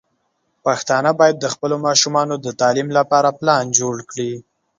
پښتانه بايد د خپلو ماشومانو د تعليم لپاره پلان جوړ کړي.